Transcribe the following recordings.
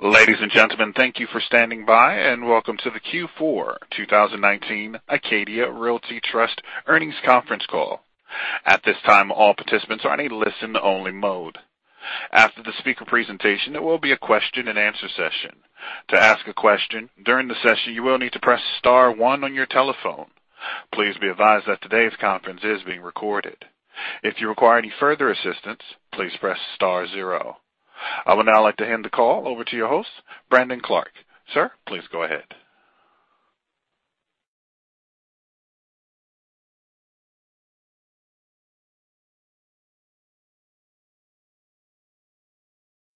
Ladies and gentlemen, thank you for standing by, and welcome to the Q4 2019 Acadia Realty Trust earnings conference call. At this time, all participants are in a listen-only mode. After the speaker's presentation, there will be a question-and-answer session. To ask a question during the session, you will need to press star 1 on your telephone. Please be advised that today's conference is being recorded. If you require any further assistance, please press star zero. I would now like to hand the call over to your host, Brandon Clark. Sir, please go ahead.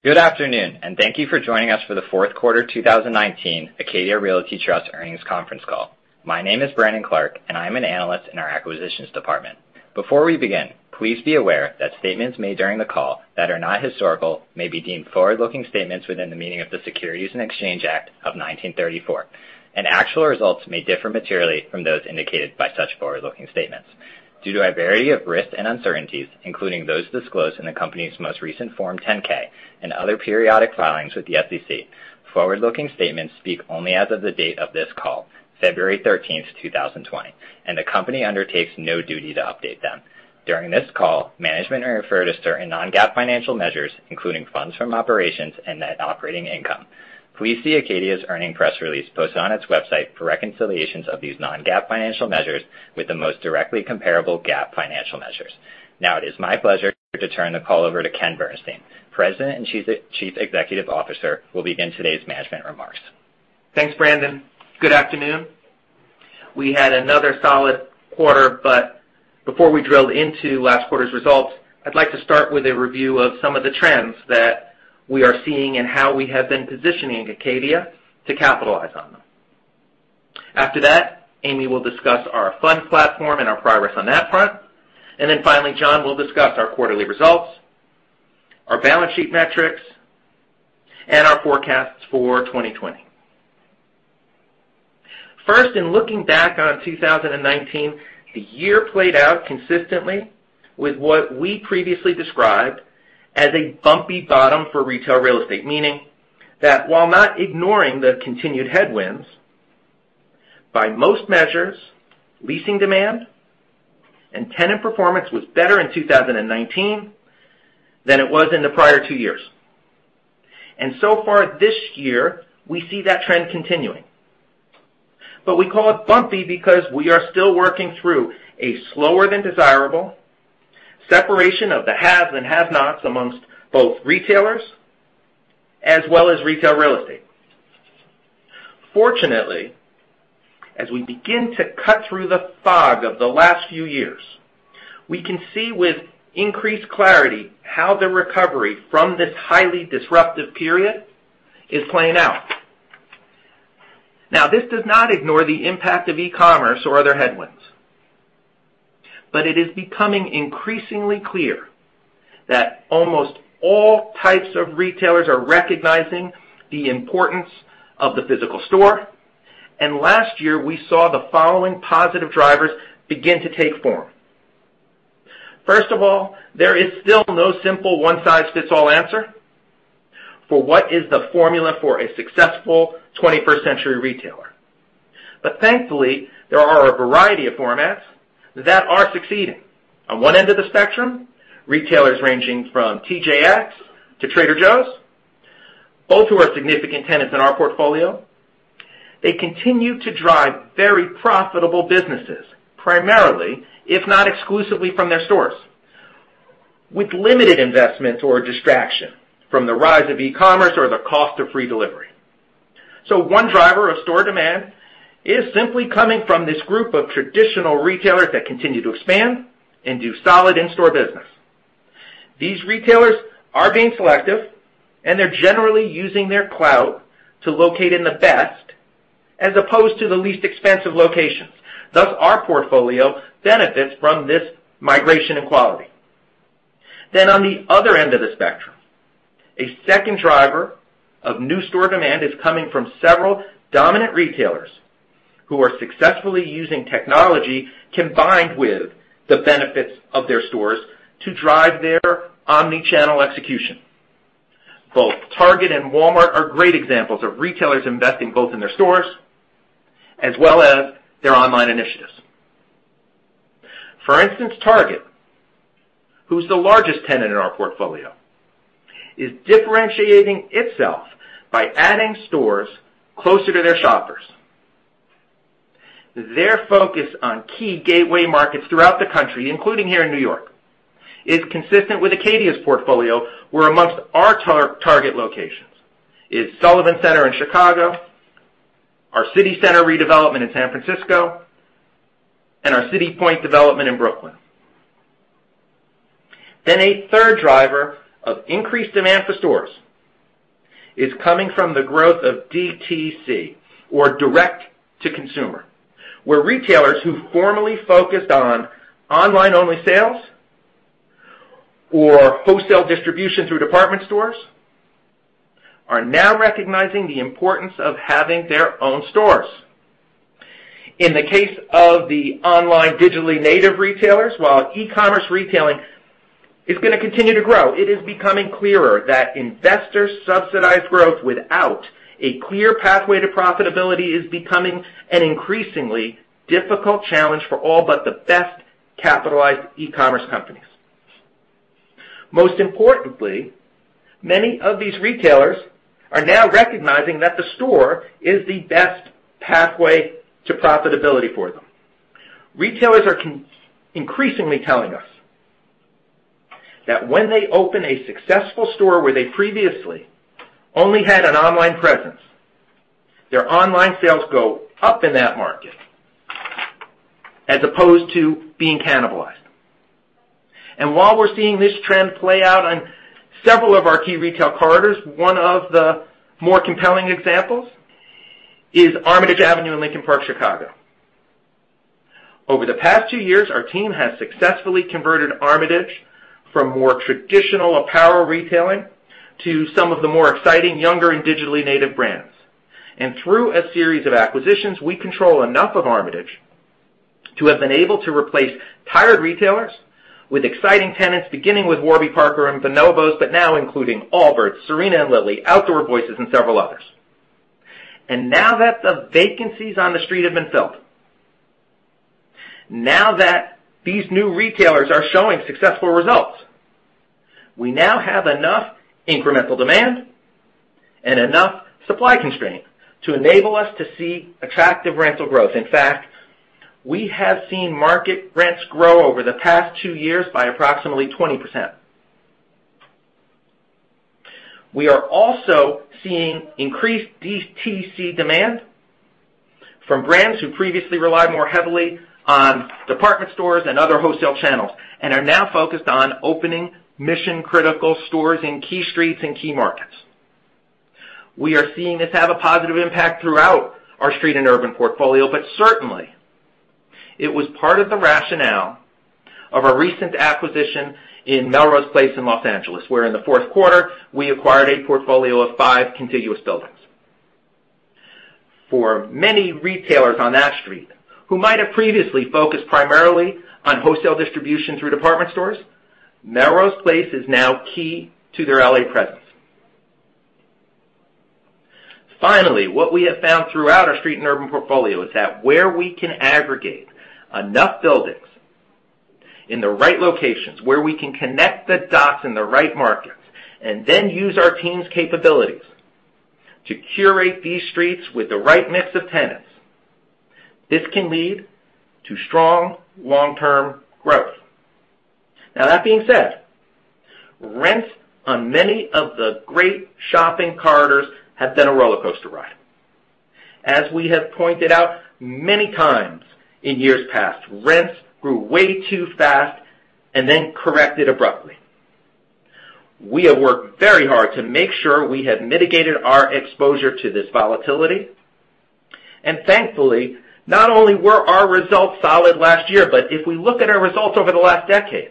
Good afternoon, and thank you for joining us for the fourth quarter 2019 Acadia Realty Trust earnings conference call. My name is Brandon Clark, and I am an analyst in our Acquisitions department. Before we begin, please be aware that statements made during the call that are not historical may be deemed forward-looking statements within the meaning of the Securities Exchange Act of 1934, and actual results may differ materially from those indicated by such forward-looking statements. Due to a variety of risks and uncertainties, including those disclosed in the company's most recent Form 10-K and other periodic filings with the SEC, forward-looking statements speak only as of the date of this call, February 13th, 2020, and the company undertakes no duty to update them. During this call, management may refer to certain non-GAAP financial measures, including funds from operations and net operating income. Please see Acadia's earnings press release posted on its website for reconciliations of these non-GAAP financial measures with the most directly comparable GAAP financial measures. Now it is my pleasure to turn the call over to Ken Bernstein, President and Chief Executive Officer, who will begin today's management remarks. Thanks, Brandon. Good afternoon. We had another solid quarter, but before we drill into last quarter's results, I'd like to start with a review of some of the trends that we are seeing and how we have been positioning Acadia to capitalize on them. After that, Amy will discuss our fund platform and our progress on that front. Finally, John will discuss our quarterly results, our balance sheet metrics, and our forecasts for 2020. First, in looking back on 2019, the year played out consistently with what we previously described as a bumpy bottom for retail real estate, meaning that while not ignoring the continued headwinds, by most measures, leasing demand and tenant performance were better in 2019 than it was in the prior two years. So far this year, we see that trend continuing. We call it bumpy because we are still working through a slower than desirable separation of the haves and have-nots amongst both retailers as well as retail real estate. Fortunately, as we begin to cut through the fog of the last few years, we can see with increased clarity how the recovery from this highly disruptive period is playing out. This does not ignore the impact of e-commerce or other headwinds, but it is becoming increasingly clear that almost all types of retailers are recognizing the importance of the physical store. Last year, we saw the following positive drivers begin to take form. First of all, there is still no simple one-size-fits-all answer for what the formula is for a successful 21st-century retailer. Thankfully, there are a variety of formats that are succeeding. On one end of the spectrum, retailers ranging from TJX to Trader Joe's, both of which are significant tenants in our portfolio, they continue to drive very profitable businesses, primarily, if not exclusively, from their stores, with limited investment or distraction from the rise of e-commerce or the cost of free delivery. One driver of store demand is simply coming from this group of traditional retailers that continue to expand and do solid in-store business. These retailers are being selective, and they're generally using their clout to locate in the best, as opposed to the least expensive locations. Thus, our portfolio benefits from this migration and quality. On the other end of the spectrum, a second driver of new store demand is coming from several dominant retailers who are successfully using technology combined with the benefits of their stores to drive their omni-channel execution. Both Target and Walmart are great examples of retailers investing both in their stores and their online initiatives. For instance, Target, which is the largest tenant in our portfolio, is differentiating itself by adding stores closer to its shoppers. Their focus on key gateway markets throughout the country, including here in New York, is consistent with Acadia's portfolio, where, amongst our Target's locations, is Sullivan Center in Chicago, our City Center redevelopment in San Francisco, and our City Point development in Brooklyn. A third driver of increased demand for stores is coming from the growth of DTC or direct-to-consumer, where retailers who formerly focused on online-only sales or wholesale distribution through department stores are now recognizing the importance of having their own stores. In the case of the online digitally native retailers, while e-commerce retailing is going to continue to grow, it is becoming clearer that investor-subsidized growth without a clear pathway to profitability is becoming an increasingly difficult challenge for all but the best capitalized e-commerce companies. Most importantly, many of these retailers are now recognizing that the store is the best pathway to profitability for them. Retailers are increasingly telling us that when they open a successful store where they previously only had an online presence, their online sales go up in that market as opposed to being cannibalized. While we're seeing this trend play out on several of our key retail corridors, one of the more compelling examples is Armitage Avenue in Lincoln Park, Chicago. Over the past two years, our team has successfully converted Armitage from more traditional apparel retailing to some of the more exciting, younger, and digitally native brands. Through a series of acquisitions, we control enough of Armitage to have been able to replace tired retailers with exciting tenants, beginning with Warby Parker and Bonobos, but now including Allbirds, Serena and Lily, Outdoor Voices, and several others. Now that the vacancies on the street have been filled, now that these new retailers are showing successful results, we now have enough incremental demand and enough supply constraint to enable us to see attractive rental growth. In fact, we have seen market rents grow over the past two years by approximately 20%. We are also seeing increased DTC demand from brands that previously relied more heavily on department stores and other wholesale channels, and are now focused on opening mission-critical stores in key streets and key markets. We are seeing this have a positive impact throughout our street and urban portfolio. Certainly, it was part of the rationale of our recent acquisition in Melrose Place in Los Angeles, where, in the fourth quarter, we acquired a portfolio of five contiguous buildings. For many retailers on that street who might have previously focused primarily on wholesale distribution through department stores, Melrose Place is now key to their L.A. presence. Finally, what we have found throughout our street and urban portfolio is that where we can aggregate enough buildings in the right locations, where we can connect the dots in the right markets, and then use our team's capabilities to curate these streets with the right mix of tenants. This can lead to strong long-term growth. Now, that being said, rents on many of the great shopping corridors have been a rollercoaster ride. As we have pointed out many times in years past, rents grew way too fast and then corrected abruptly. We have worked very hard to make sure we have mitigated our exposure to this volatility. Thankfully, not only were our results solid last year, but if we look at our results over the last decade,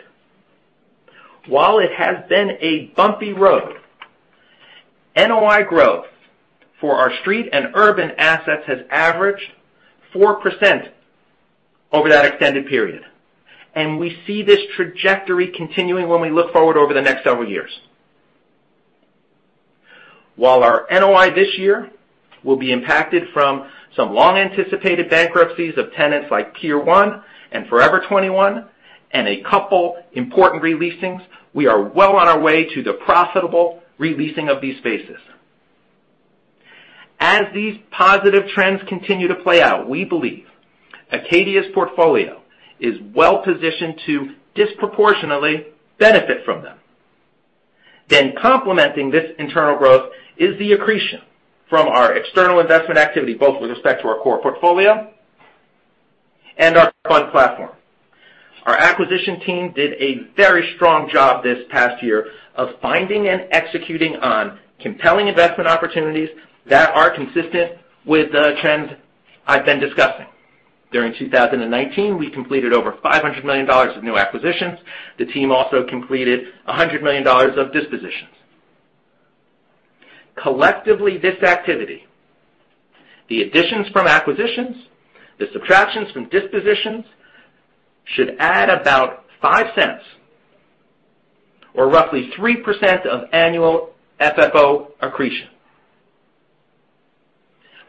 while it has been a bumpy road, NOI growth for our street and urban assets has averaged 4% over that extended period. We see this trajectory continuing when we look forward over the next several years. While our NOI this year will be impacted by some long-anticipated bankruptcies of tenants like Pier 1 and Forever 21, and a couple of important re-leasings, we are well on our way to the profitable re-leasing of these spaces. As these positive trends continue to play out, we believe Acadia's portfolio is well-positioned to disproportionately benefit from them. Complementing this internal growth is the accretion from our external investment activity, both with respect to our Core Portfolio and our fund platform. Our acquisition team did a very strong job this past year of finding and executing on compelling investment opportunities that are consistent with the trends I've been discussing. During 2019, we completed over $500 million of new acquisitions. The team also completed $100 million of dispositions. Collectively, this activity, the additions from acquisitions, and the subtractions from dispositions should add about $0.05 or roughly 3% of annual FFO accretion.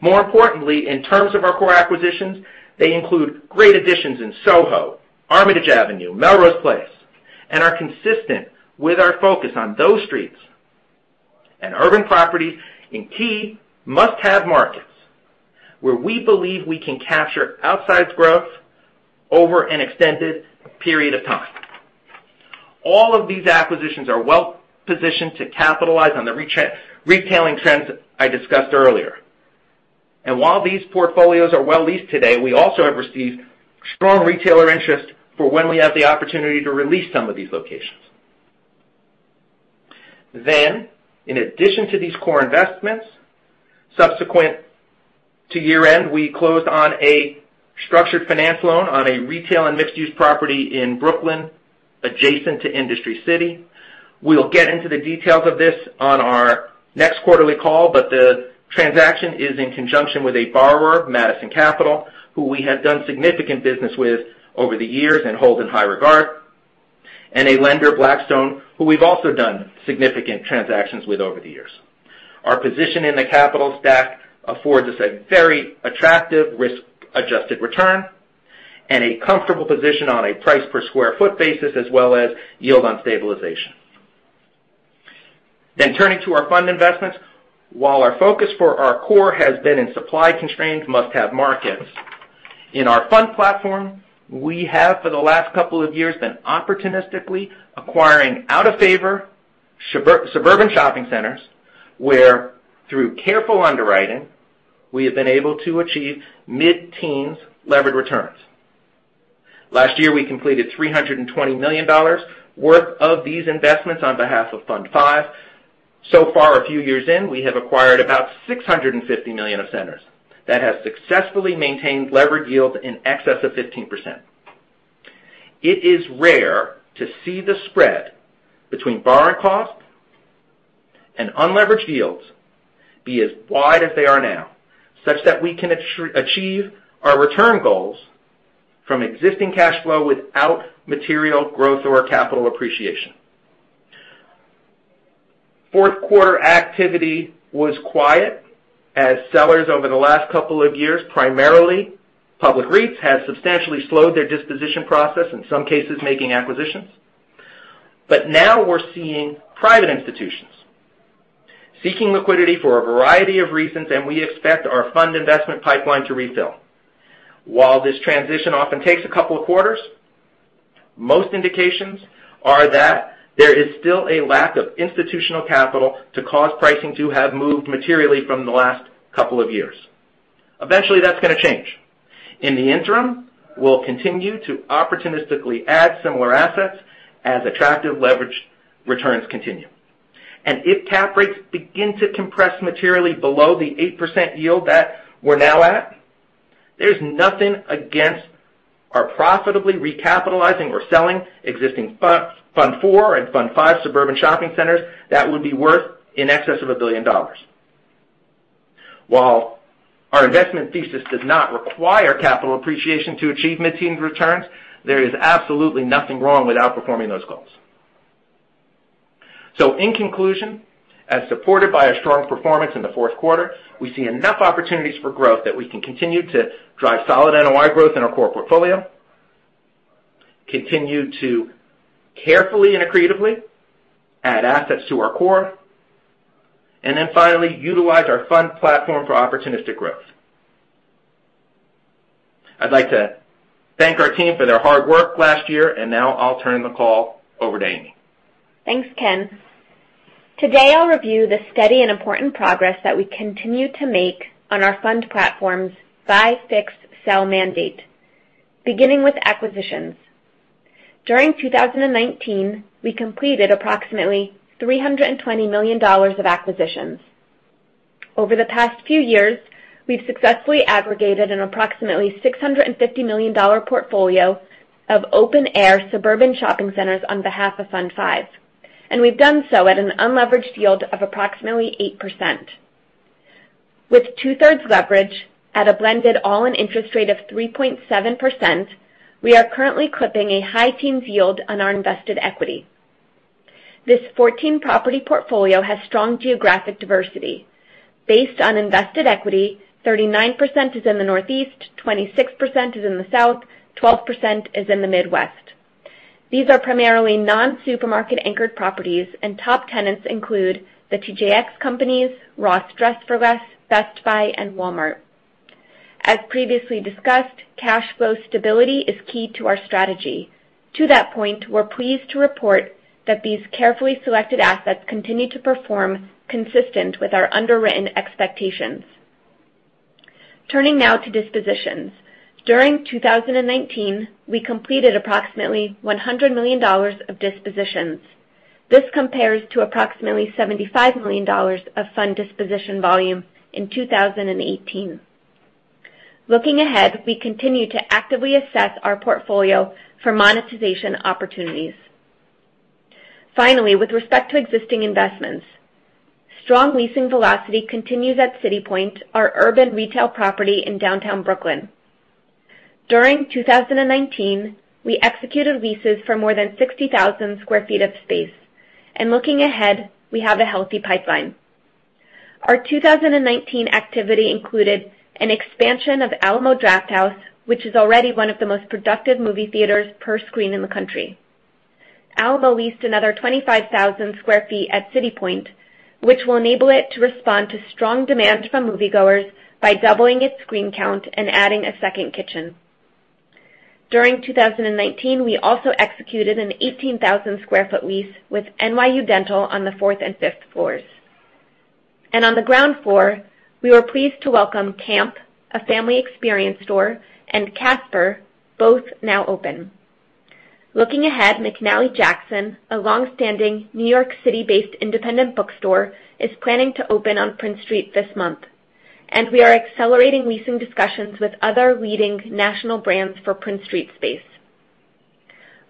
More importantly, in terms of our core acquisitions, they include great additions in SoHo, Armitage Avenue, and Melrose Place, which are consistent with our focus on those streets and urban properties in key must-have markets where we believe we can capture outsized growth over an extended period of time. All of these acquisitions are well-positioned to capitalize on the retailing trends I discussed earlier. While these portfolios are well-leased today, we have also received strong retailer interest for when we have the opportunity to re-lease some of these locations. In addition to these core investments, subsequent to year-end, we closed on a structured finance loan on a retail and mixed-use property in Brooklyn adjacent to Industry City. We'll get into the details of this on our next quarterly call, but the transaction is in conjunction with a borrower, Madison Capital, with whom we have done significant business over the years and hold in high regard, and a lender, Blackstone, with whom we've also done significant transactions with over the years. Our position in the capital stack affords us a very attractive risk-adjusted return and a comfortable position on a price per square foot basis, as well as yield on stabilization. Turning to our fund investments. While our focus for our core has been on supply-constrained must-have markets. In our fund platform, we have, for the last couple of years, been opportunistically acquiring out-of-favor suburban shopping centers, where, through careful underwriting, we have been able to achieve mid-teens levered returns. Last year, we completed $320 million worth of these investments on behalf of Fund V. So far, a few years in, we have acquired about $650 million of centers that have successfully maintained levered yields in excess of 15%. It is rare to see the spread between borrowing costs and unlevered yields be as wide as they are now, such that we can achieve our return goals from existing cash flow without material growth or capital appreciation. Fourth quarter activity was quiet as sellers over the last couple of years, primarily public REITs, have substantially slowed their disposition process, in some cases making acquisitions. Now we're seeing private institutions seeking liquidity for a variety of reasons, and we expect our fund investment pipeline to refill. While this transition often takes a couple of quarters, most indications are that there is still a lack of institutional capital to cause pricing to have moved materially from the last couple of years. Eventually, that's going to change. In the interim, we'll continue to opportunistically add similar assets as attractive leverage returns continue. If cap rates begin to compress materially below the 8% yield that we're now at, there's nothing against our profitably recapitalizing or selling existing Fund IV and Fund V suburban shopping centers that would be worth in excess of $1 billion. While our investment thesis does not require capital appreciation to achieve mid-teen returns, there is absolutely nothing wrong with outperforming those goals. In conclusion, as supported by a strong performance in the fourth quarter, we see enough opportunities for growth that we can continue to drive solid NOI growth in our Core Portfolio, continue to carefully and creatively add assets to our core, and finally, utilize our fund platform for opportunistic growth. Now I'll turn the call over to Amy. Thanks, Ken. Today, I'll review the steady and important progress that we continue to make on our fund platform's buy, fix, sell mandate, beginning with acquisitions. During 2019, we completed approximately $320 million of acquisitions. Over the past few years, we've successfully aggregated an approximately $650 million portfolio of open-air suburban shopping centers on behalf of Fund V, and we've done so at an unleveraged yield of approximately 8%. With 2/3 leverage at a blended all-in interest rate of 3.7%, we are currently clipping a high teens yield on our invested equity. This 14-property portfolio has strong geographic diversity. Based on invested equity, 39% is in the Northeast, 26% is in the South, 12% is in the Midwest. These are primarily non-supermarket anchored properties. Top tenants include The TJX Companies, Ross Dress for Less, Best Buy, and Walmart. As previously discussed, cash flow stability is key to our strategy. To that point, we're pleased to report that these carefully selected assets continue to perform consistent with our underwritten expectations. Turning now to dispositions. During 2019, we completed approximately $100 million of dispositions. This compares to approximately $75 million of fund disposition volume in 2018. Looking ahead, we continue to actively assess our portfolio for monetization opportunities. Finally, with respect to existing investments, strong leasing velocity continues at City Point, our urban retail property in downtown Brooklyn. During 2019, we executed leases for more than 60,000 square feet of space, and looking ahead, we have a healthy pipeline. Our 2019 activity included an expansion of Alamo Drafthouse, which is already one of the most productive movie theaters per screen in the country. Alamo leased another 25,000 sq ft at City Point, which will enable it to respond to strong demand from moviegoers by doubling its screen count and adding a second kitchen. During 2019, we also executed an 18,000 sq ft lease with NYU Dental on the fourth and fifth floors. On the ground floor, we were pleased to welcome CAMP, a family experience store, and Casper, both now open. Looking ahead, McNally Jackson, a longstanding New York City-based independent bookstore, is planning to open on Prince Street this month. We are accelerating leasing discussions with other leading national brands for Prince Street space.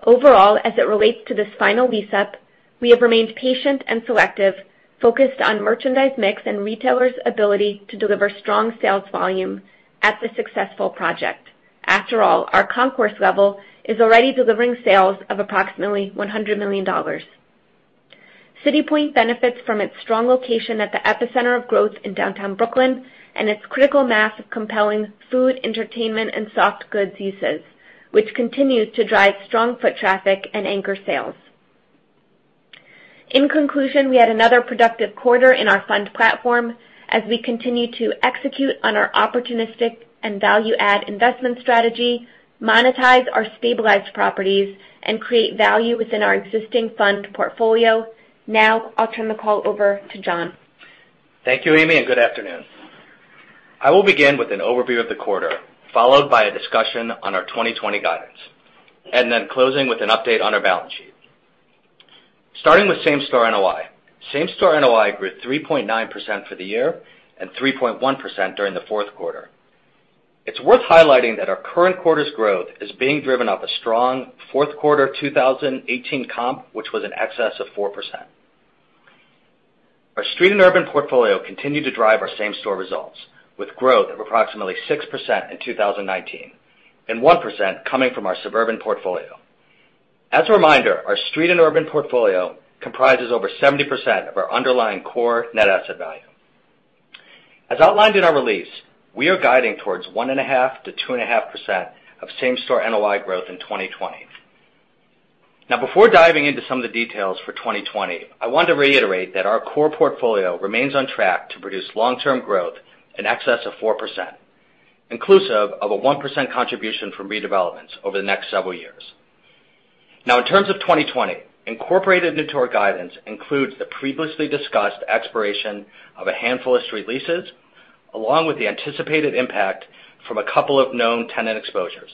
Overall, as it relates to this final lease-up, we have remained patient and selective, focused on merchandise mix and retailers' ability to deliver strong sales volume at the successful project. After all, our concourse level is already delivering sales of approximately $100 million. City Point benefits from its strong location at the epicenter of growth in downtown Brooklyn and its critical mass of compelling food, entertainment, and soft goods uses, which continues to drive strong foot traffic and anchor sales. In conclusion, we had another productive quarter in our fund platform as we continue to execute on our opportunistic and value-add investment strategy, monetize our stabilized properties, and create value within our existing Funds portfolio. Now, I'll turn the call over to John. Thank you, Amy, and good afternoon. I will begin with an overview of the quarter, followed by a discussion on our 2020 guidance, and then closing with an update on our balance sheet. Starting with the same-store NOI. Same-store NOI grew 3.9% for the year and 3.1% during the fourth quarter. It's worth highlighting that our current quarter's growth is being driven by a strong fourth quarter 2018 comp, which was in excess of 4%. Our street and urban portfolio continued to drive our same-store results with growth of approximately 6% in 2019, and 1% coming from our suburban portfolio. As a reminder, our street and urban portfolio comprises over 70% of our underlying core net asset value. As outlined in our release, we are guiding towards 1.5%-2.5% of same-store NOI growth in 2020. Now, before diving into some of the details for 2020, I want to reiterate that our Core Portfolio remains on track to produce long-term growth in excess of 4%, inclusive of a 1% contribution from redevelopments over the next several years. Now, in terms of 2020, incorporated into our guidance includes the previously discussed expiration of a handful of street leases, along with the anticipated impact from a couple of known tenant exposures,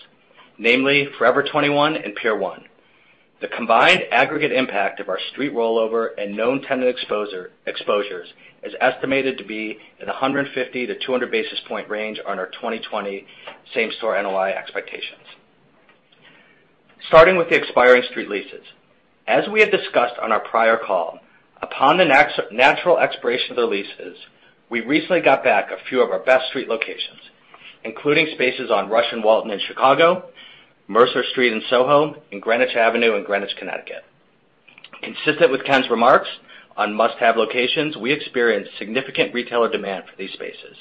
namely Forever 21 and Pier 1. The combined aggregate impact of our street rollover and known tenant exposures is estimated to be in a 150 to 200 basis point range on our 2020 same-store NOI expectations. Starting with the expiring street leases. As we had discussed on our prior call, upon the natural expiration of the leases, we recently got back a few of our best street locations, including spaces on Rush and Walton in Chicago, Mercer Street in SoHo, and Greenwich Avenue in Greenwich, Connecticut. Consistent with Ken's remarks on must-have locations, we experienced significant retailer demand for these spaces,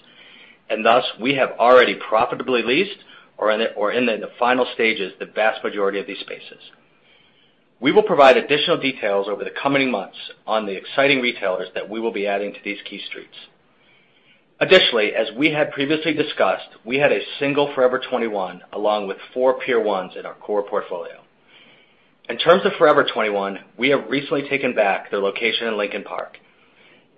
and thus, we have already profitably leased or are in the final stages of leasing the vast majority of these spaces. We will provide additional details over the coming months on the exciting retailers that we will be adding to these key streets. Additionally, as we had previously discussed, we had a single Forever 21 along with four Pier 1 locations in our Core Portfolio. In terms of Forever 21, we have recently taken back their location in Lincoln Park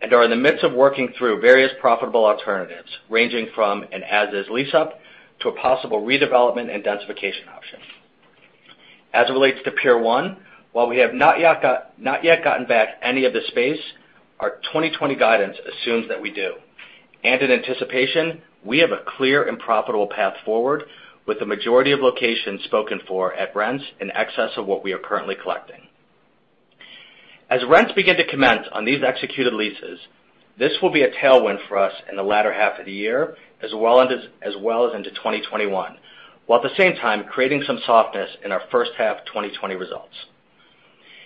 and are in the midst of working through various profitable alternatives, ranging from an as-is lease-up to a possible redevelopment and densification option. As it relates to Pier 1, while we have not yet gotten back any of the space, our 2020 guidance assumes that we do. In anticipation, we have a clear and profitable path forward with the majority of locations spoken for at rents in excess of what we are currently collecting. As rents begin to commence on these executed leases, this will be a tailwind for us in the latter half of the year as well as into 2021, while at the same time creating some softness in our first half 2020 results.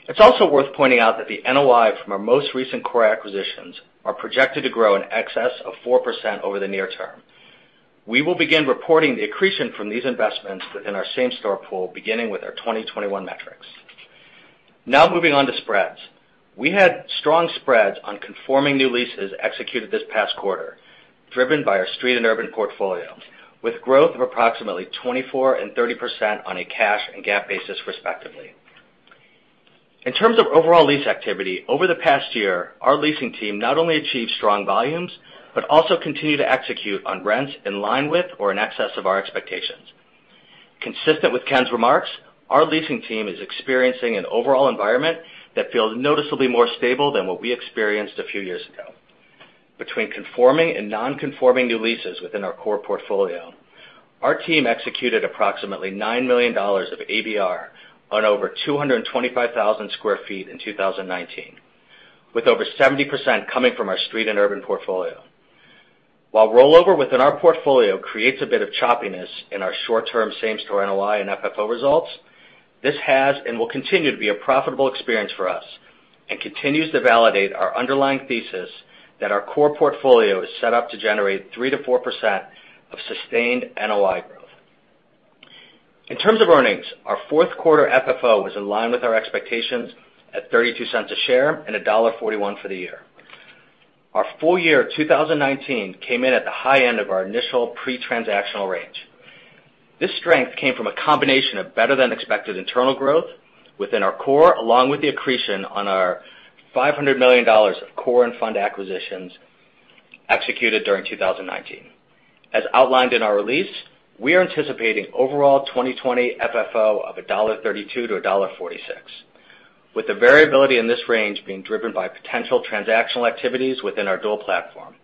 It's also worth pointing out that the NOI from our most recent core acquisitions are projected to grow in excess of 4% over the near term. We will begin reporting the accretion from these investments within our same-store pool, beginning with our 2021 metrics. Now moving on to spreads. We had strong spreads on conforming new leases executed this past quarter, driven by our street and urban portfolio, with growth of approximately 24% and 30% on a cash and GAAP basis, respectively. In terms of overall lease activity, over the past year, our leasing team not only achieved strong volumes but also continued to execute on rents in line with or in excess of our expectations. Consistent with Ken's remarks, our leasing team is experiencing an overall environment that feels noticeably more stable than what we experienced a few years ago. Between conforming and non-conforming new leases within our Core Portfolio, our team executed approximately $9 million of ABR on over 225,000 sq ft in 2019, with over 70% coming from our street and urban portfolio. While rollover within our portfolio creates a bit of choppiness in our short-term same-store NOI and FFO results, this has and will continue to be a profitable experience for us and continues to validate our underlying thesis that our Core Portfolio is set up to generate 3%-4% of sustained NOI growth. In terms of earnings, our fourth quarter FFO was in line with our expectations at $0.32 a share and $1.41 for the year. Our full year 2019 came in at the high end of our initial pre-transactional range. This strength came from a combination of better-than-expected internal growth within our core, along with the accretion of our $500 million of core and fund acquisitions executed during 2019. As outlined in our release, we are anticipating an overall 2020 FFO of $1.32-$1.46, with the variability in this range being driven by potential transactional activities within our dual platform.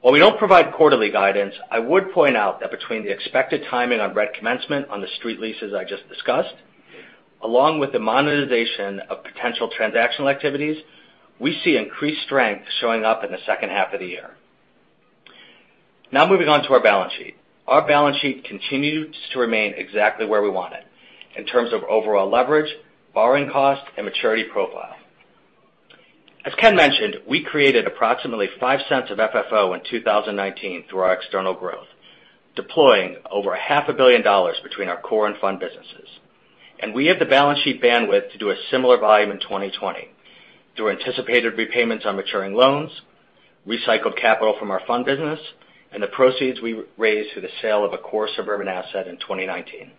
While we don't provide quarterly guidance, I would point out that between the expected timing of rent commencement on the street leases I just discussed, along with the monetization of potential transactional activities, we see increased strength showing up in the second half of the year. Now, moving on to our balance sheet. Our balance sheet continues to remain exactly where we want it in terms of overall leverage, borrowing cost, and maturity profile. As Ken mentioned, we created approximately $0.05 of FFO in 2019 through our external growth, deploying over $500 million between our core and fund businesses. We have the balance sheet bandwidth to do a similar volume in 2020 through anticipated repayments on maturing loans, recycled capital from our fund business, and the proceeds we raised through the sale of a core suburban asset in 2019.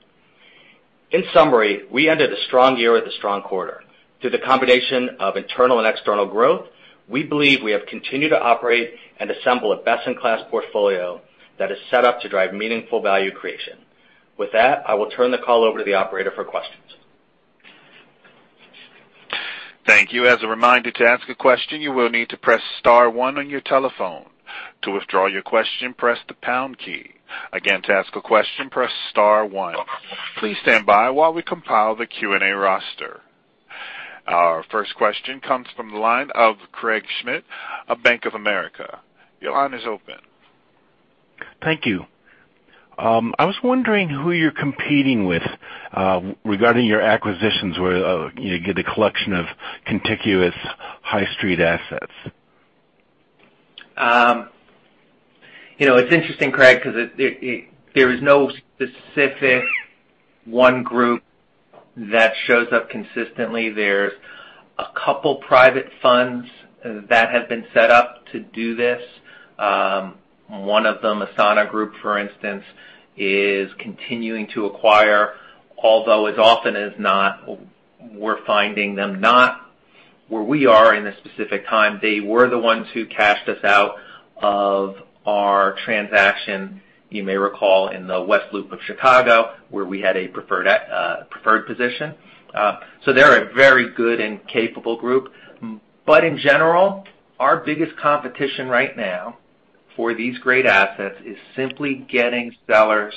In summary, we ended a strong year with a strong quarter. Through the combination of internal and external growth, we believe we have continued to operate and assemble a best-in-class portfolio that is set up to drive meaningful value creation. With that, I will turn the call over to the operator for questions. Thank you. As a reminder, to ask a question, you will need to press star one on your telephone. To withdraw your question, press the pound key. Again, to ask a question, press star one. Please stand by while we compile the Q&A roster. Our first question comes from the line of Craig Schmidt of Bank of America. Your line is open. Thank you. I was wondering who you're competing with regarding your acquisitions, and where you get a collection of contiguous high street assets? It's interesting, Craig, because there is no specific one group that shows up consistently. There are a couple of private funds that have been set up to do this. One of them, Asana Partners, for instance, is continuing to acquire, although as often as not, we're finding them not where we are at a specific time. They were the ones who cashed us out of our transaction, you may recall, in the West Loop of Chicago, where we had a preferred position. They're a very good and capable group. In general, our biggest competition right now for these great assets is simply getting sellers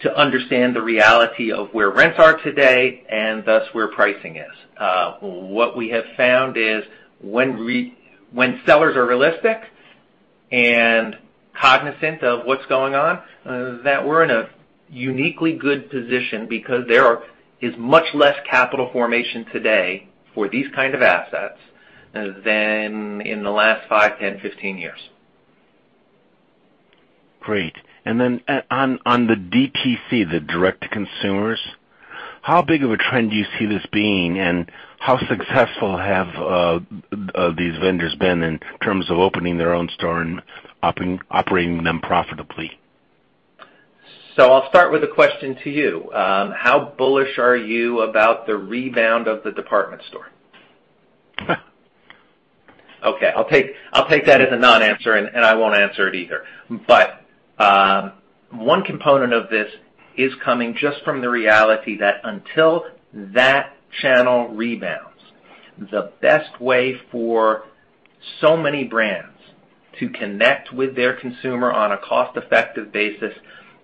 to understand the reality of where rents are today and thus where pricing is. What we have found is that when sellers are realistic and cognizant of what's going on, we're in a uniquely good position because there is much less capital formation today for these kinds of assets than in the last five, 10, 15 years. Great. Then, on the DTC, the direct-to-consumers, how big of a trend do you see this being, and how successful have these vendors been in terms of opening their own store and operating them profitably? I'll start with a question for you. How bullish are you about the rebound of the department store? Okay. I'll take that as a non-answer, and I won't answer it either. One component of this is coming just from the reality that until that channel rebounds, the best way for so many brands to connect with their consumer on a cost-effective basis,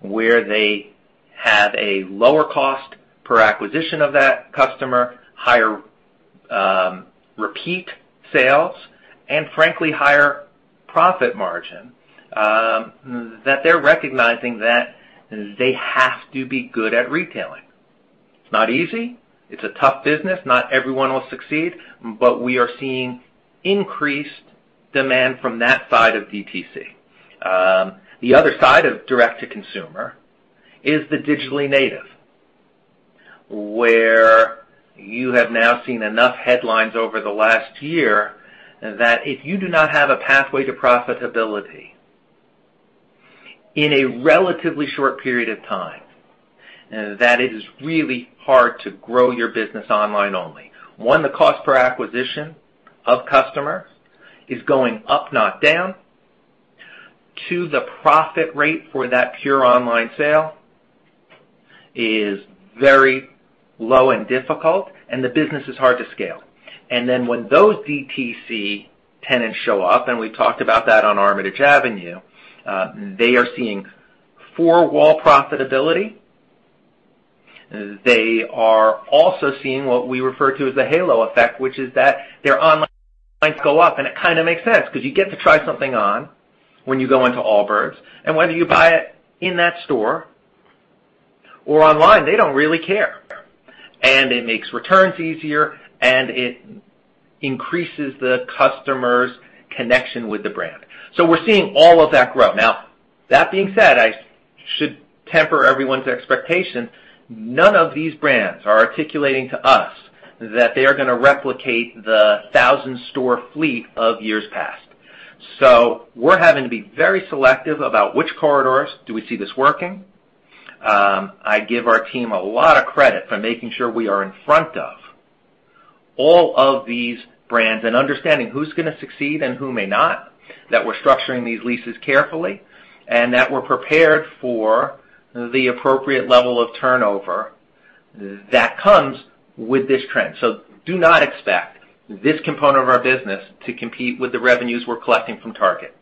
where they have a lower cost per acquisition of that customer, higher repeat sales, and frankly, higher profit margin, is that they're recognizing that they have to be good at retailing. It's not easy. It's a tough business. Not everyone will succeed. We are seeing increased demand from that side of DTC. The other side of direct to consumer is the digitally native, where you have now seen enough headlines over the last year that if you do not have a pathway to profitability in a relatively short period of time, it is really hard to grow your business online only. One, the cost per acquisition of a customer is going up, not down. Two, the profit rate for that pure online sale is very low and difficult, and the business is hard to scale. And then when those DTC tenants show up, and we talked about that on Armitage Avenue, they are seeing four-wall profitability. They are also seeing what we refer to as the halo effect, which is that their online sales go up. It kind of makes sense because you get to try something on when you go into Allbirds, and whether you buy it in that store or online, they don't really care. It makes returns easier. It increases the customer's connection with the brand. We're seeing all of that grow. Now, that being said, I should temper everyone's expectation. None of these brands are articulating to us that they are going to replicate the 1,000-store fleet of years past. We're having to be very selective about which corridors we see this working. I give our team a lot of credit for making sure we are in front of all of these brands and understanding who's going to succeed and who may not, that we're structuring these leases carefully, and that we're prepared for the appropriate level of turnover that comes with this trend. Do not expect this component of our business to compete with the revenues we're collecting from Target.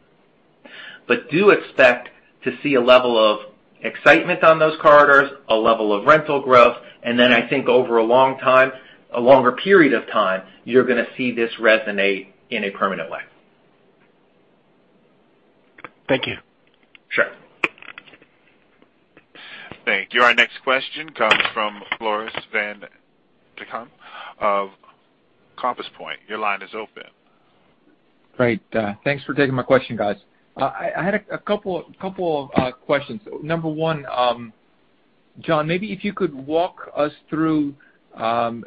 Do expect to see a level of excitement on those corridors, a level of rental growth, I think, over a long time, a longer period of time, you're going to see this resonate in a permanent way. Thank you. Sure. Thank you. Our next question comes from Floris van Dijkum of Compass Point. Your line is open. Great. Thanks for taking my question, guys. I had a couple of questions. Number one, John, maybe if you could walk us through,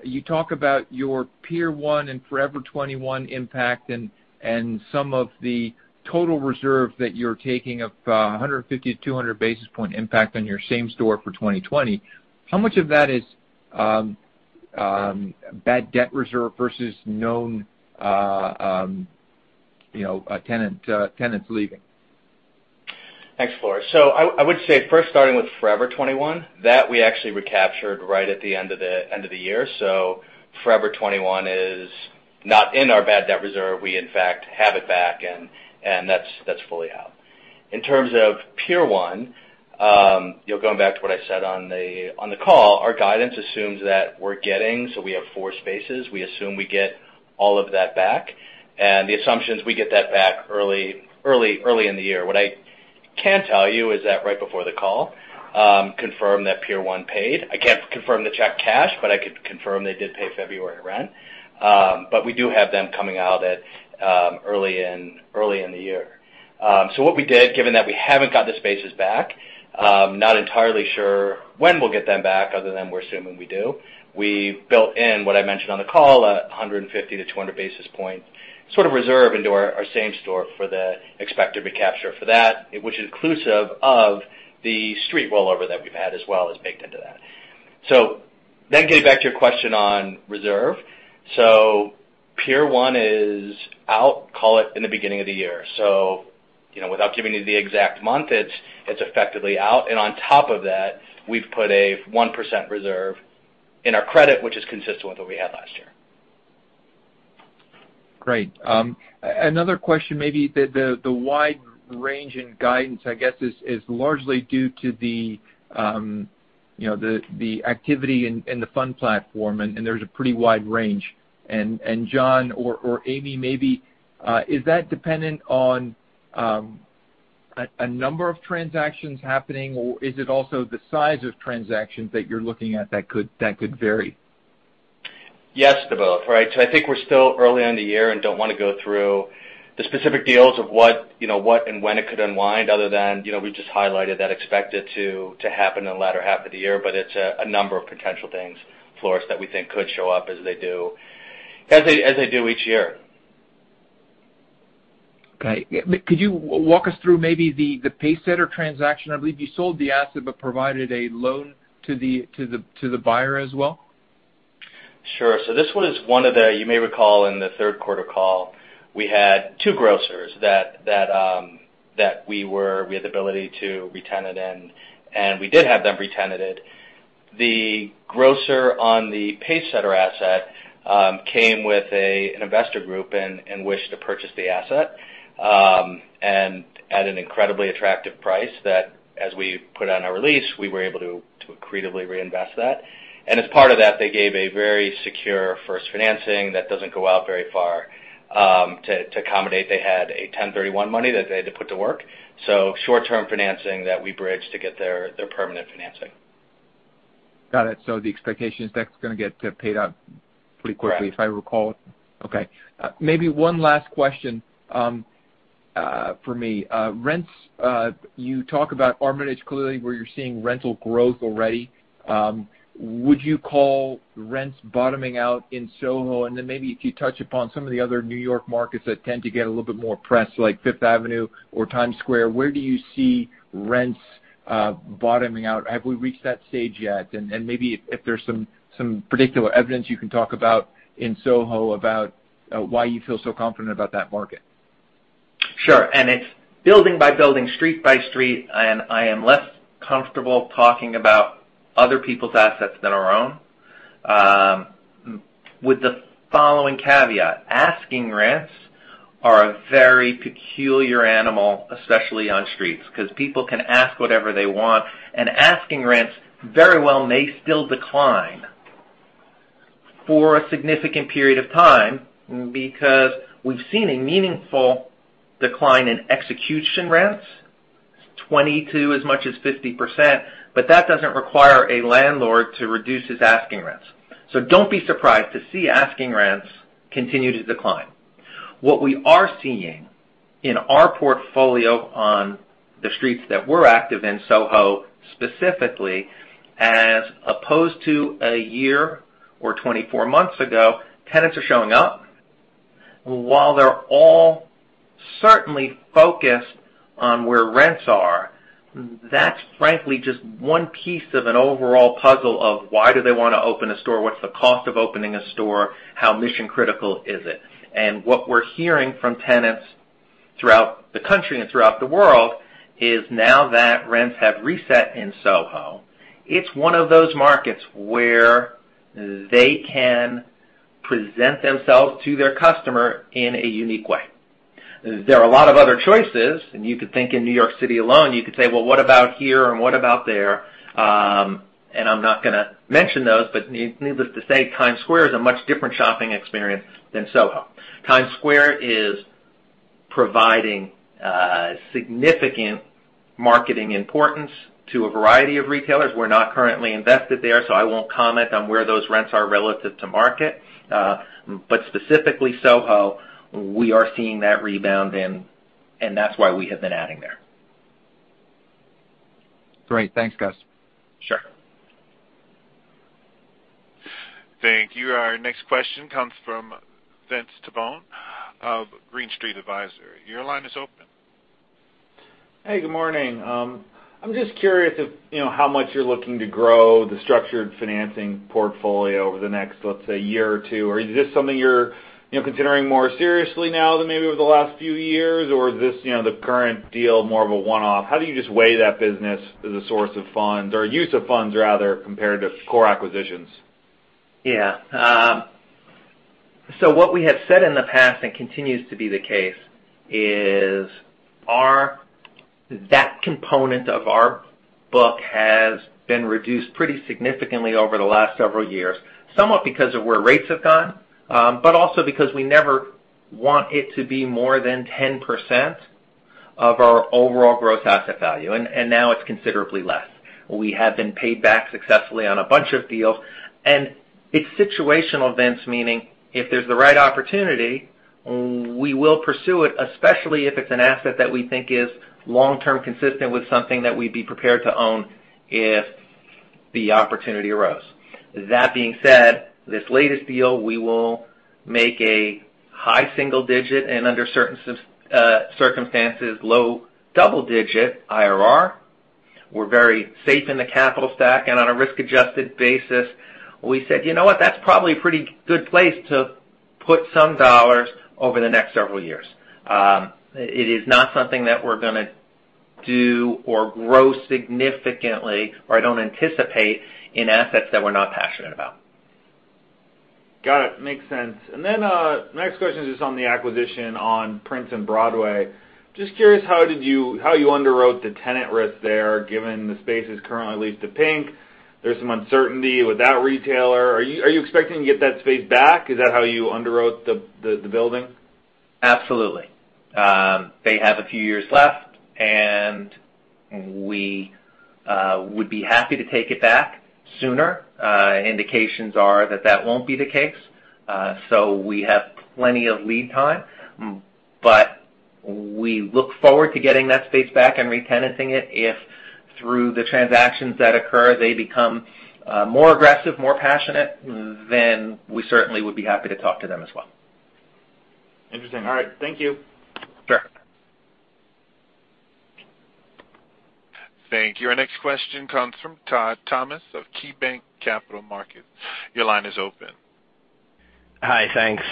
you talk about your Pier 1 and Forever 21 impact and some of the total reserve that you're taking of 150-200 basis points impact on your same store for 2020. How much of that is bad debt reserve versus known tenants leaving? Thanks, Floris. I would say first starting with Forever 21, that we actually recaptured right at the end of the year. Forever 21 is not in our bad debt reserve. We, in fact, have it back, and that's fully out. In terms of Pier 1, going back to what I said on the call, our guidance assumes that we're getting, so we have four spaces, and we assume we get all of that back. The assumption is that we get that back early in the year. What I can tell you is that right before the call, I confirmed that Pier 1 paid. I can't confirm the check cashed, but I can confirm they did pay February rent. We do have them coming out early in the year. What we did, given that we haven't got the spaces back, not entirely sure when we'll get them back, other than we're assuming we do. We built in, what I mentioned on the call, 150 to 200 basis points sort of reserve into our same store for the expected recapture for that, which is inclusive of the street rollover that we've had as well, is baked into that. Getting back to your question on reserve. Pier 1 is out; call it in at the beginning of the year. Without giving you the exact month, it's effectively out, and on top of that, we've put a 1% reserve in our credit, which is consistent with what we had last year. Great. Another question, maybe the wide range in guidance, I guess, is largely due to the activity in the fund platform, and there's a pretty wide range. John or Amy, maybe, is that dependent on a number of transactions happening, or is it also the size of transactions that you're looking at that could vary? Yes to both, right? I think we're still early in the year and don't want to go through the specific deals of what and when it could unwind, other than we just highlighted that we expect it to happen in the latter half of the year. It's a number of potential things, Floris, that we think could show up as they do each year. Could you walk us through maybe the Pacesetter transaction? I believe you sold the asset but provided a loan to the buyer as well. Sure. This was one of the, you may recall, in the third quarter call, we had two grocers that we had the ability to re-tenant, and we did have them re-tenanted. The grocer on the Pacesetter asset came with an investor group and wished to purchase the asset at an incredibly attractive price that, as we put out in our release, we were able to creatively reinvest that. As part of that, they gave a very secure first financing that doesn't go out very far to accommodate. They had a 1031 money that they had to put to work, so short-term financing that we bridged to get their permanent financing. Got it. The expectation is that it's going to get paid out pretty quickly- Correct. If I recall it. Okay. Maybe one last question from me. Rents, you talk about Armitage clearly, where you're seeing rental growth already. Would you call rents bottoming out in SoHo? Then maybe if you touch upon some of the other New York markets that tend to get a little bit more press, like Fifth Avenue or Times Square. Where do you see rents bottoming out? Have we reached that stage yet? Maybe if there's some particular evidence you can talk about in SoHo about why you feel so confident about that market. Sure. It's building by building, street by street. I am less comfortable talking about other people's assets than our own, with the following caveat. Asking rents are a very peculiar animal, especially on streets, because people can ask whatever they want. Asking rents very well may still decline for a significant period of time because we've seen a meaningful decline in execution rents, 22% as much as 50%. That doesn't require a landlord to reduce his asking rents. Don't be surprised to see asking rents continue to decline. What we are seeing in our portfolio on the streets that we're active in, SoHo specifically, as opposed to a year or 24 months ago, tenants are showing up While they're all certainly focused on where rents are, that's frankly just one piece of an overall puzzle of why they want to open a store. What's the cost of opening a store? How mission-critical is it? What we're hearing from tenants throughout the country and throughout the world is that, now that rents have reset in SoHo, it's one of those markets where they can present themselves to their customers in a unique way. There are a lot of other choices, and you could think in New York City alone, you could say, "Well, what about here and what about there?" I'm not going to mention those, but needless to say, Times Square is a much different shopping experience than SoHo. Times Square is providing significant marketing importance to a variety of retailers. We're not currently invested there, so I won't comment on where those rents are relative to the market. Specifically, in SoHo, we are seeing that rebound, and that's why we have been adding there. Great. Thanks, guys. Sure. Thank you. Our next question comes from Vince Tibone of Green Street Advisors. Your line is open. Hey, good morning. I'm just curious of how much you're looking to grow the Structured Financing portfolio over the next, let's say, year or two. Is this something you're considering more seriously now than maybe over the last few years? Is the current deal more of a one-off? How do you just weigh that business as a source of funds or use of funds, rather, compared to core acquisitions? Yeah. What we have said in the past, and continues to be the case, is that a component of our book has been reduced pretty significantly over the last several years, somewhat because of where rates have gone. Also, because we never want it to be more than 10% of our overall gross asset value, and now it's considerably less. We have been paid back successfully on a bunch of deals, and it's situational events, meaning if there's the right opportunity, we will pursue it, especially if it's an asset that we think is long-term consistent with something that we'd be prepared to own if the opportunity arose. That being said, this latest deal, we will make a high single-digit and under certain circumstances, low-double digit IRR. We're very safe in the capital stack and on a risk-adjusted basis. We said, you know what. That's probably a pretty good place to put some dollars over the next several years. It is not something that we're going to do or grow significantly, or I don't anticipate in assets that we're not passionate about. Got it. Makes sense. Next question is just on the acquisition of Prince and Broadway. Just curious how you underwrote the tenant risk there, given the space is currently leased to Pink. There's some uncertainty with that retailer. Are you expecting to get that space back? Is that how you underwrote the building? Absolutely. They have a few years left, and we would be happy to take it back sooner. Indications are that that won't be the case. We have plenty of lead time, but we look forward to getting that space back and re-tenancing it. If, through the transactions that occur, they become more aggressive, more passionate, then we certainly would be happy to talk to them as well. Interesting. All right. Thank you. Sure. Thank you. Our next question comes from Todd Thomas of KeyBanc Capital Markets. Your line is open. Hi. Thanks.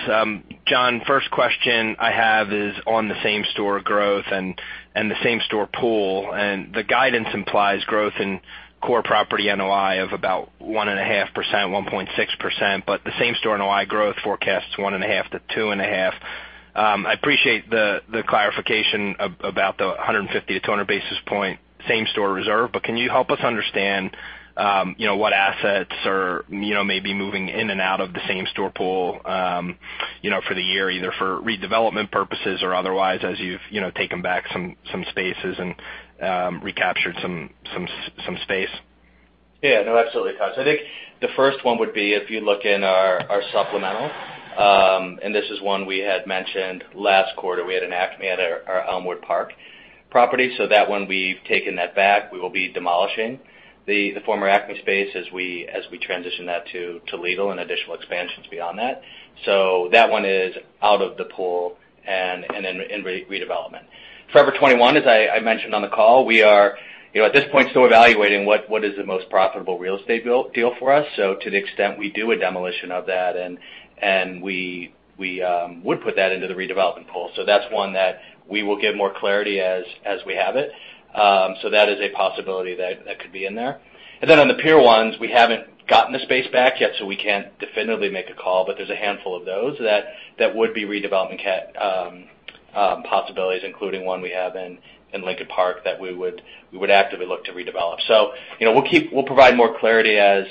John, the first question I have is on the same-store NOI growth and the same-store pool, and the guidance implies growth in core property NOI of about 1.5%-1.6%, but the same-store NOI growth forecast is 1.5%-2.5%. I appreciate the clarification about the 150-200 basis point same-store reserve, but can you help us understand what assets are maybe moving in and out of the same-store pool for the year, either for redevelopment purposes or otherwise, as you've taken back some spaces and recaptured some space? No, absolutely, Todd. I think the first one would be, if you look in our supplemental, and this is one we had mentioned last quarter. We had an Acme at our Elmwood Park property. That one, we've taken that back. We will be demolishing the former Acme space as we transition that to legal and additional expansions beyond that. That one is out of the pool and in redevelopment. Forever 21, as I mentioned on the call, we are at this point still evaluating what the most profitable real estate deal for us. To the extent we do a demolition of that, we would put that into the redevelopment pool. That's one that we will give more clarity on as we have it. That is a possibility that could be in there. On the Pier 1s, we haven't gotten the space back yet, so we can't definitively make a call, but there's a handful of those that would be redevelopment possibilities, including one we have in Lincoln Park that we would actively look to redevelop. We'll provide more clarity as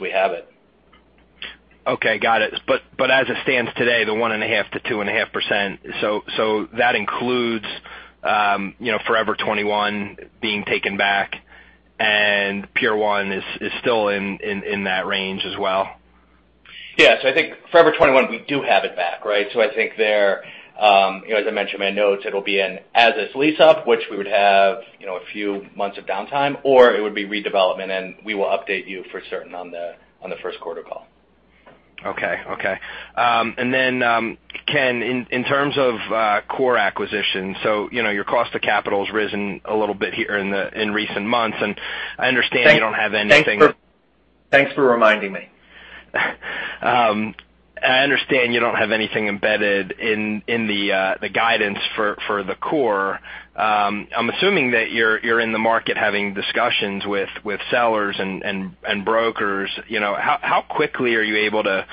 we have it. Okay, got it. As it stands today, the 1.5%-2.5%, so that includes Forever 21 being taken back, and Pier 1 is still in that range as well? Yeah. I think Forever 21, we do have it back, right? As I mentioned in my notes, it'll be an as-is lease-up, which we would have a few months of downtime, or it would be redevelopment, and we will update you for certain on the first quarter call. Okay. Then, Ken, in terms of core acquisition, your cost of capital has risen a little bit here in recent months, and I understand you don't have anything- Thanks for reminding me. I understand you don't have anything embedded in the guidance for the core. I'm assuming that you're in the market, having discussions with sellers and brokers. How quickly are you able to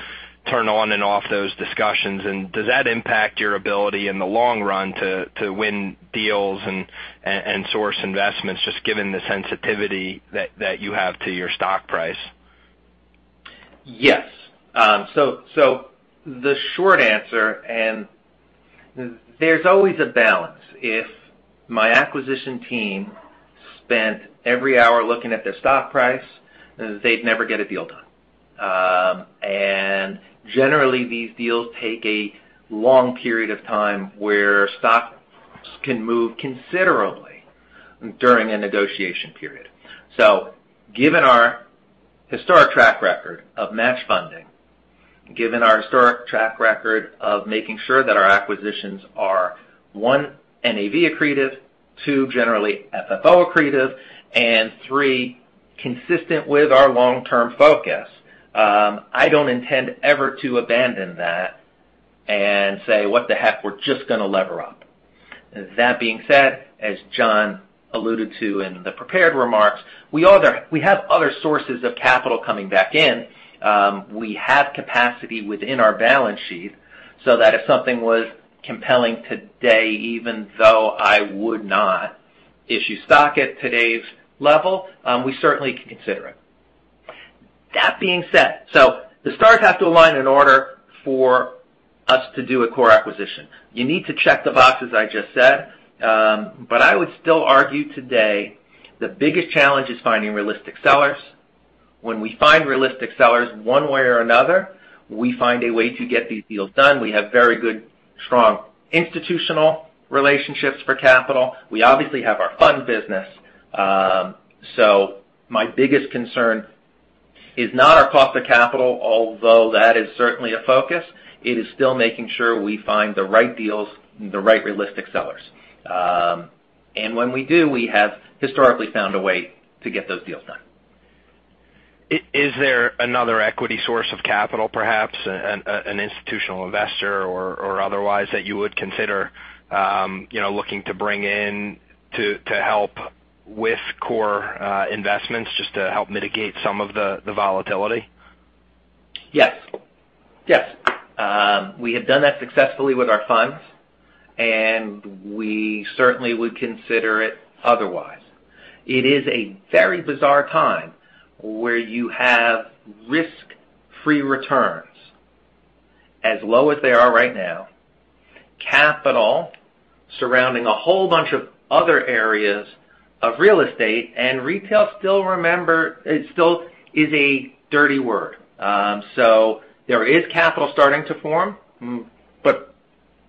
turn on and off those discussions, and does that impact your ability in the long run to win deals and source investments, just given the sensitivity that you have to your stock price? Yes. The short answer, and there's always a balance. If my acquisition team spent every hour looking at their stock price, they'd never get a deal done. Generally, these deals take a long period of time where stock can move considerably during a negotiation period. Given our historic track record of match funding, given our historic track record of making sure that our acquisitions are: one, NAV accretive; two, generally FFO accretive; and three, consistent with our long-term focus. I don't intend ever to abandon that and say, "What the heck, we're just going to lever up." That being said, as John alluded to in the prepared remarks, we have other sources of capital coming back in. We have capacity within our balance sheet, so that if something were compelling today, even though I would not issue stock at today's level, we certainly could consider it. That being said, the stars have to align in order for us to do a core acquisition. You need to check the boxes I just said. I would still argue today that the biggest challenge is finding realistic sellers. When we find realistic sellers, one way or another, we find a way to get these deals done. We have very good, strong institutional relationships for capital. We obviously have our fund business. My biggest concern is not our cost of capital, although that is certainly a focus. It is still making sure we find the right deals and the right realistic sellers. When we do, we have historically found a way to get those deals done. Is there another equity source of capital, perhaps an institutional investor or otherwise, that you would consider looking to bring in to help with core investments, just to help mitigate some of the volatility? Yes. We have done that successfully with our funds, and we certainly would consider it otherwise. It is a very bizarre time where you have risk-free returns as low as they are right now, capital surrounding a whole bunch of other areas of real estate, and retail still is a dirty word. There is capital starting to form, but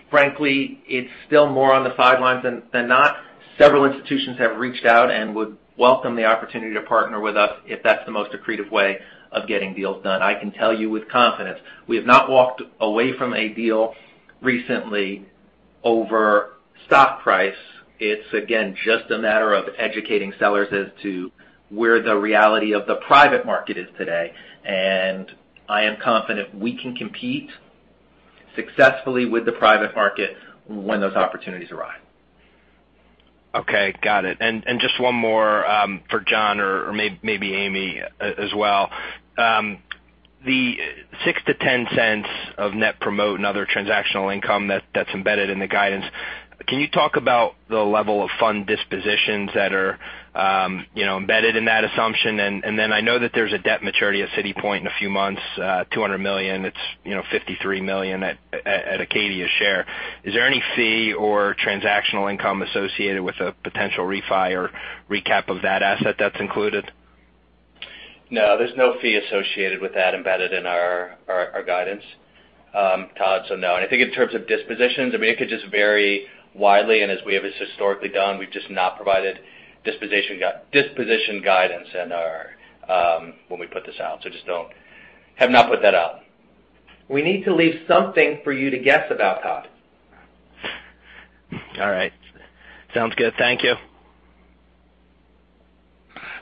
frankly, it's still more on the sidelines than not. Several institutions have reached out and would welcome the opportunity to partner with us if that's the most accretive way of getting deals done. I can tell you with confidence, we have not walked away from a deal recently over stock price. It's, again, just a matter of educating sellers as to where the reality of the private market is today. I am confident we can compete successfully with the private market when those opportunities arise. Okay, got it. Just one more for John or maybe Amy as well. The $0.06-$0.10 of net promote and other transactional income that's embedded in the guidance, can you talk about the level of fund dispositions that are embedded in that assumption? Then I know that there's a debt maturity at City Point in a few months, $200 million. It's $53 million at Acadia's share. Is there any fee or transactional income associated with a potential refi or recap of that asset that's included? No, there's no fee associated with that embedded in our guidance, Todd, so no. I think in terms of dispositions, it could just vary widely, and as we have historically done, we've just not provided disposition guidance when we put this out, so we have not put that out. We need to leave something for you to guess about, Todd. All right. Sounds good. Thank you.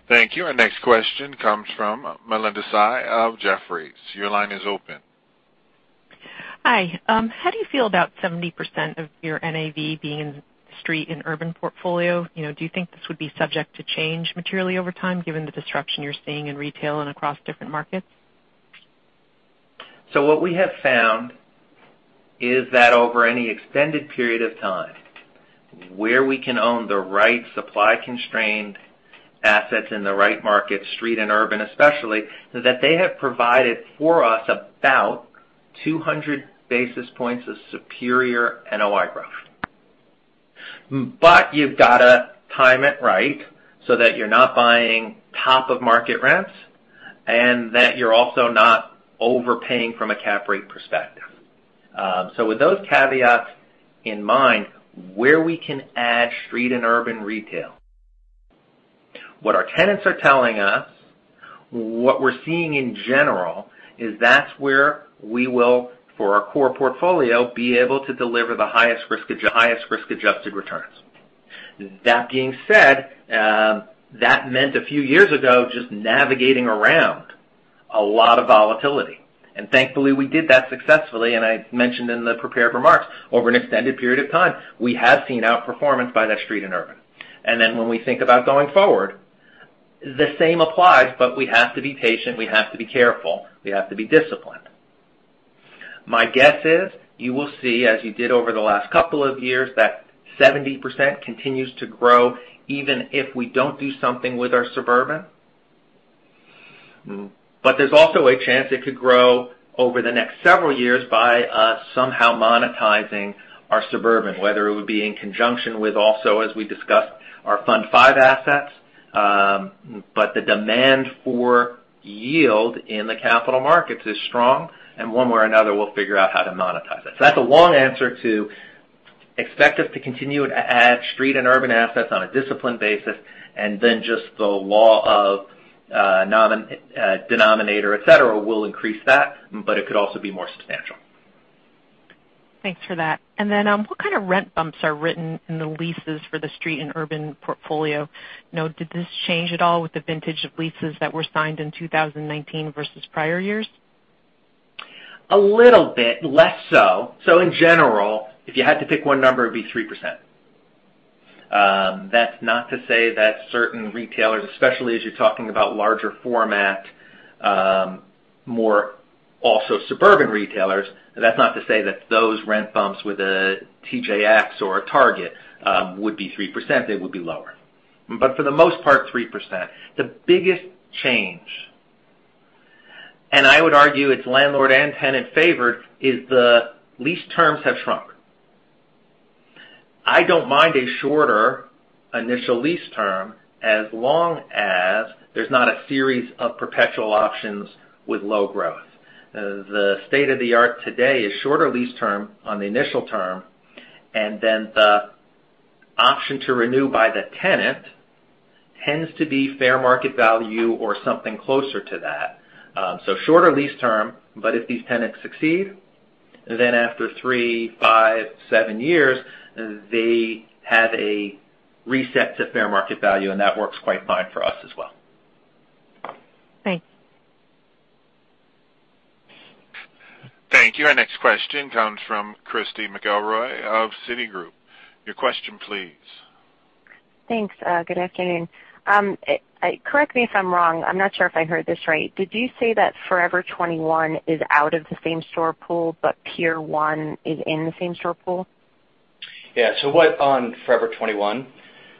Thank you. Our next question comes from Linda Tsai of Jefferies. Your line is open. Hi. How do you feel about 70% of your NAV being in street and urban portfolio? Do you think this would be subject to change materially over time, given the disruption you're seeing in retail and across different markets? What we have found is that over any extended period of time, where we can own the right supply-constrained assets in the right market, street and urban, especially, they have provided for us about 200 basis points of superior NOI growth. You've got to time it right so that you're not buying top-of-market rents and that you're also not overpaying from a cap rate perspective. With those caveats in mind, where we can add street and urban retail, what our tenants are telling us, what we're seeing in general, is that's where we will, for our Core Portfolio, be able to deliver the highest risk-adjusted returns. That being said, that meant a few years ago, just navigating around a lot of volatility. Thankfully, we did that successfully, and I mentioned in the prepared remarks that over an extended period of time, we have seen outperformance by that street in urban. Then, when we think about going forward, the same applies, but we have to be patient. We have to be careful. We have to be disciplined. My guess is you will see, as you did over the last couple of years, that 70% continues to grow even if we don't do something with our suburban. There's also a chance it could grow over the next several years by us somehow monetizing our suburban, whether it would be in conjunction with, as we discussed, our Fund V assets. The demand for yield in the capital markets is strong, and one way or another, we'll figure out how to monetize it. That's a long answer to expect us to continue to add street and urban assets on a disciplined basis, and then just the law of denominators, et cetera, will increase that, but it could also be more substantial. Thanks for that. What kind of rent bumps are written in the leases for the street and urban portfolio? Did this change at all with the vintage of leases that were signed in 2019 versus prior years? A little bit, less so. In general, if you had to pick one number, it'd be 3%. That's not to say that certain retailers, especially as you're talking about larger format, more suburban retailers, that those rent bumps with a TJX or a Target would be 3%. They would be lower. For the most part, 3%. The biggest change, and I would argue it's landlord and tenant-favored, is that the lease terms have shrunk. I don't mind a shorter initial lease term as long as there's not a series of perpetual options with low growth. The state-of-the-art today is a shorter lease term on the initial term, and then the option to renew by the tenant tends to be fair market value or something closer to that. Shorter lease term, but if these tenants succeed, then after three, five, seven years, they have a reset to fair market value, and that works quite fine for us as well. Thanks. Thank you. Our next question comes from Christy McElroy of Citigroup. Your question, please. Thanks. Good afternoon. Correct me if I'm wrong. I'm not sure if I heard this right. Did you say that Forever 21 is out of the same-store pool, but Pier 1 is in the same-store pool? On Forever 21,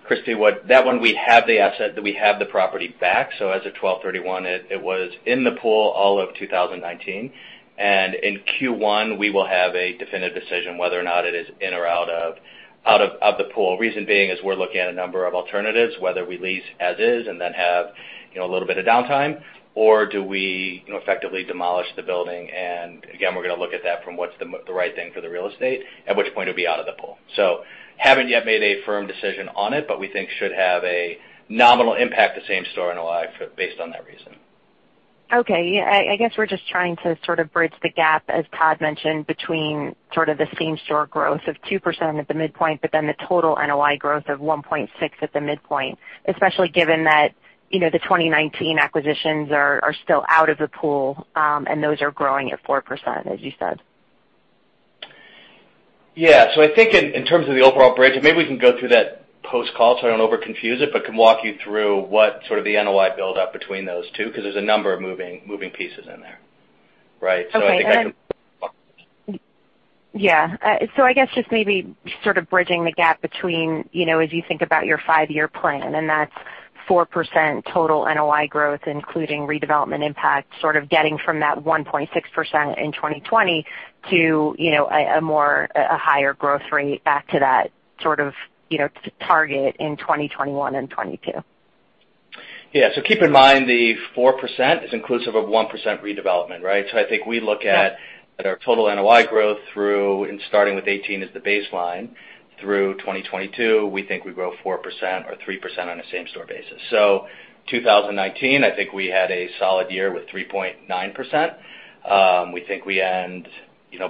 Christy, that one we have the property back. As of December 31, it was in the pool all of 2019. In Q1, we will have a definitive decision whether or not it is in or out of the pool. Reason being is that we're looking at a number of alternatives, whether we lease as is and then have a little bit of downtime, or do we effectively demolish the building. Again, we're going to look at that from what's the right thing for the real estate, at which point it'll be out of the pool. Haven't yet made a firm decision on it, but we think should have a nominal impact on the same store NOI based on that reason. Okay. Yeah, I guess we're just trying to sort of bridge the gap, as Todd mentioned, between sort of the same-store growth of 2% at the midpoint, but then the total NOI growth of 1.6% at the midpoint, especially given that the 2019 acquisitions are still out of the pool, and those are growing at 4%, as you said. Yeah. I think in terms of the overall bridge, and maybe we can go through that post-call, so I don't overconfuse it, but I can walk you through what sort of NOI build-up between those two, because there's a number of moving pieces in there. Right? Okay. I think- Yeah. I guess just maybe sort of bridging the gap between, as you think about your five-year plan, and that's 4% total NOI growth, including redevelopment impact, sort of getting from that 1.6% in 2020 to a higher growth rate back to that sort of target in 2021 and 2022. Yeah. Keep in mind, the 4% is inclusive of 1% redevelopment, right? I think we look at our total NOI growth through, and starting with 2018 as the baseline through 2022, we think we grow 4% or 3% on a same-store basis. 2019, I think we had a solid year with 3.9%. We think we end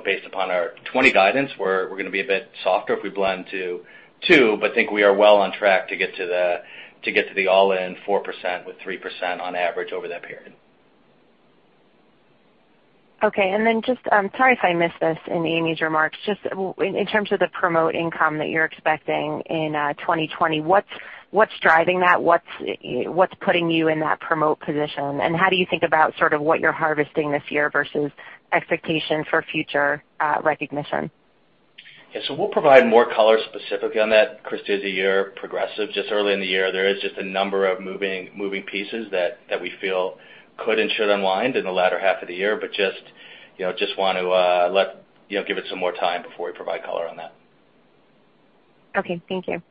based upon our 2020 guidance, we're going to be a bit softer if we blend to 2%, but think we are well on track to get to the all-in 4% with 3% on average over that period. Okay. Then, just, I'm sorry if I missed this in Amy's remarks, just in terms of the promote income that you're expecting in 2020, what's driving that? What's putting you in that promote position? How do you think about sort of what you're harvesting this year versus expectations for future recognition? Yeah. We'll provide more color, specifically on that, Christy, as the year progresses. Just early in the year, there are just a number of moving pieces that we feel could and should unwind in the latter half of the year. We just want to give it some more time before we provide color on that. Okay. Thank you.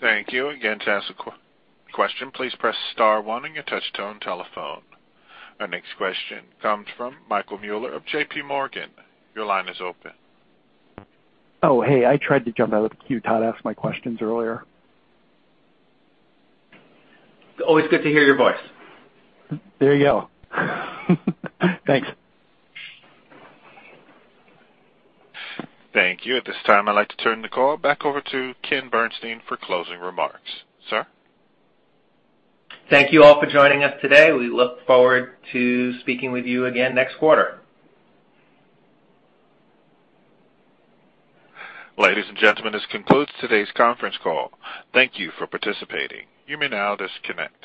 Thank you. Again, to ask a question, please press star one on your touch-tone telephone. Our next question comes from Michael Mueller of JPMorgan. Your line is open. Oh, hey. I tried to jump out of the queue, Todd, already asked my questions earlier. Always good to hear your voice. There you go. Thanks. Thank you. At this time, I'd like to turn the call back over to Ken Bernstein for closing remarks. Sir? Thank you all for joining us today. We look forward to speaking with you again next quarter. Ladies and gentlemen, this concludes today's conference call. Thank you for participating. You may now disconnect.